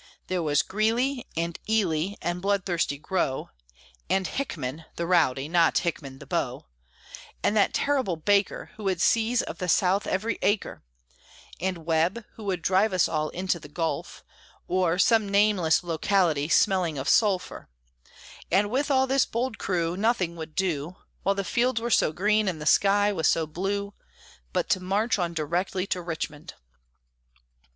There was Greeley, And Ely, And bloodthirsty Grow, And Hickman (the rowdy, not Hickman the beau), And that terrible Baker Who would seize of the South every acre, And Webb, who would drive us all into the Gulf, or Some nameless locality smelling of sulphur; And with all this bold crew, Nothing would do, While the fields were so green, and the sky was so blue, But to march on directly to Richmond.